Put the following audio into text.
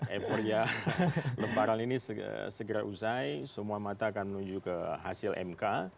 epornya lebaran ini segera usai semua mata akan menuju ke hasil mk